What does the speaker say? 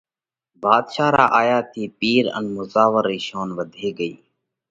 ڀاڌشا را آيا ٿِي پِير ان مُزاور رئي شونَ وڌي ڳئِي۔